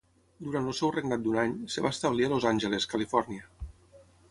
Durant el seu regnat d'un any, es va establir a Los Angeles, Califòrnia.